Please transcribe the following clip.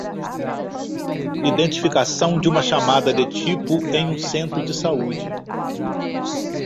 Identificação de uma chamada de tipo em um centro de saúde.